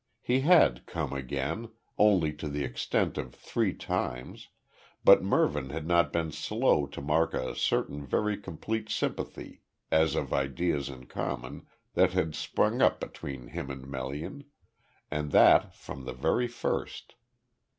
He had "come again," only to the extent of three times, but Mervyn had not been slow to mark a certain very complete sympathy, as of ideas in common, that had sprung up between him and Melian, and that from the very first.